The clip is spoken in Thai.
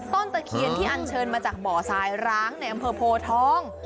ตะเคียนที่อันเชิญมาจากบ่อทรายร้างในอำเภอโพทอง